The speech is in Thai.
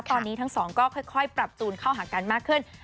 ตอนนี้ทั้งสองก็ค่อยปรับตูนเข้าหากันมากขึ้น